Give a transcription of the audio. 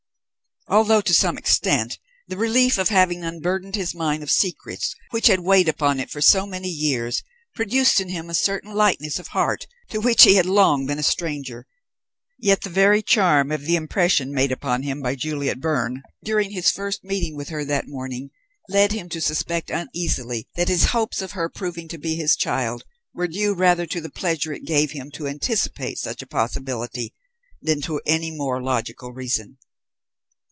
Although, to some extent, the relief of having unburdened his mind of secrets that had weighed upon it for so many years produced in him a certain lightness of heart to which he had long been a stranger, yet the very charm of the impression made upon him by Juliet Byrne, during his first meeting with her that morning, led him to suspect uneasily that his hopes of her proving to be his child were due rather to the pleasure it gave him to anticipate such a possibility than to any more logical reason.